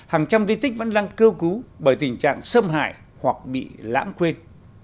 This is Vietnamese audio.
hàng trăm di tích vẫn đang kêu cứu bởi tình trạng xâm hại hoặc bị lãng quên